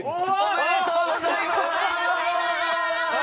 おめでとうございます！